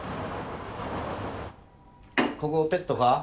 ここペット可？